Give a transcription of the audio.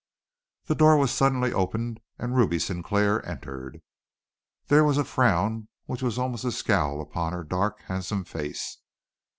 The door was suddenly opened and Ruby Sinclair entered. There was a frown which was almost a scowl upon her dark, handsome face.